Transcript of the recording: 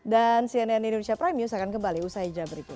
dan cnn indonesia prime news akan kembali usai hijab berikut